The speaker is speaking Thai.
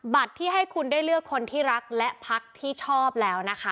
ที่ให้คุณได้เลือกคนที่รักและพักที่ชอบแล้วนะคะ